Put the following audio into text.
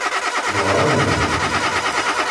War awennit.